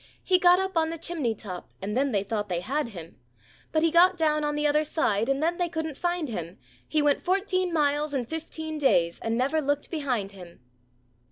He got up on the chimney top And then they thought they had him. But he got down on the other side And then they couldn't find him He went fourteen miles in fifteen days And never looked behind him."